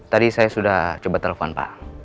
tadi saya sudah coba telepon pak